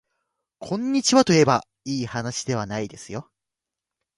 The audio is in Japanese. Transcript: こんにちはといえばいいはなしではないですよ